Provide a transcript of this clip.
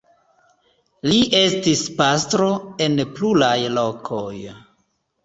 Li estis pastro en pluraj lokoj.